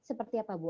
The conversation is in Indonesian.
seperti apa bu